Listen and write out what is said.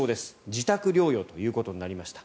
自宅療養ということになりました。